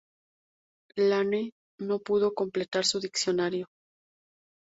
Lane no pudo completar su diccionario.